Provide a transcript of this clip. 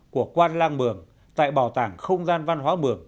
của quan lang mường tại bảo tàng không gian văn hóa mường